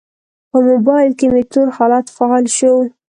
په موبایل کې مې تور حالت فعال شو.